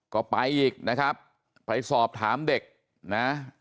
ก็ไปอีกนะครับไปสอบถามเด็กนะ